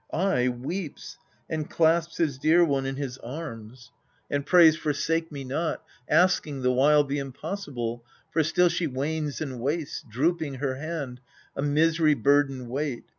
Ay, weeps, and clasps his dear one in his arms, 206 EURIPIDES And prays, " Forsake me not !" asking the while The impossible, for still she wanes and wastes, Drooping her hand, a misery burdened weight.